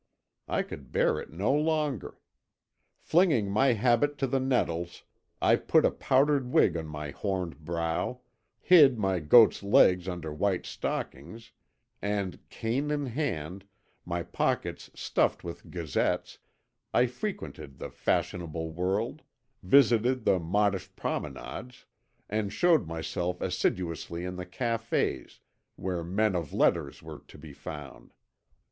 I could bear it no longer. Flinging my habit to the nettles, I put a powdered wig on my horned brow, hid my goat's legs under white stockings, and cane in hand, my pockets stuffed with gazettes, I frequented the fashionable world, visited the modish promenades, and showed myself assiduously in the cafés where men of letters were to be found.